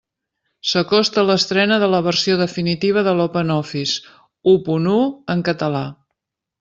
S'acosta l'estrena de la versió definitiva de l'OpenOffice u punt u en català.